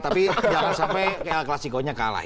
tapi jangan sampai klasikonya kalah ya